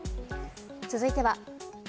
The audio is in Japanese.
続いては。